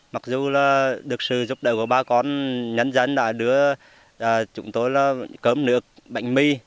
mặc dù là được sự giúp đỡ của bà con nhân dân đã đưa chúng tôi là cơm nước bánh mì